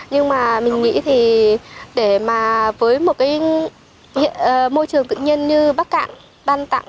nhưng mà mình nghĩ thì để mà với một cái môi trường tự nhiên như bắc cạn ban tặng